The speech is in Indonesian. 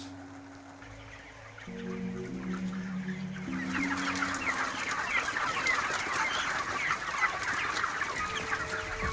kandang ini terlihat sangat beragam